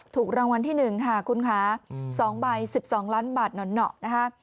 ถูกรางวัลที่หนึ่งค่ะคุณค้าอืมสองใบสิบสองล้านบาทหน่อนหน่อนะฮะ